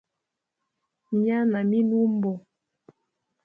Myaa na milumbo.